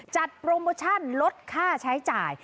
จัดโปรโมชั่นลดค่าใช้จ่าย